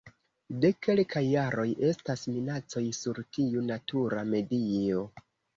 De kelkaj jaroj estas minacoj sur tiu natura medio.